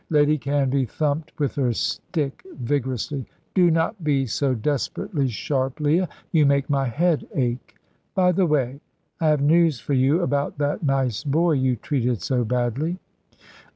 Lady Canvey thumped with her stick vigorously. "Do not be so desperately sharp, Leah; you make my head ache. By the way, I have news for you about that nice boy you treated so badly."